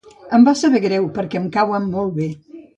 Em va saber greu perquè em cauen molt bé.